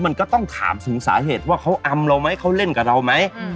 มันก็ต้องถามถึงสาเหตุว่าเขาอำเราไหมเขาเล่นกับเราไหม